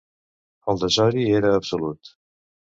El desori era absolut.